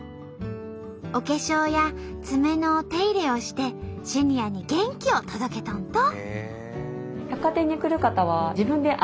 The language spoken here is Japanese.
お化粧や爪のお手入れをしてシニアに元気を届けとんと！